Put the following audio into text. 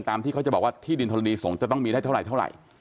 ที่เขาจะบอกว่าที่ดินธรณีสงฆ์จะต้องมีได้เท่าไหร่